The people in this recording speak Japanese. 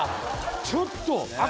ちょっと！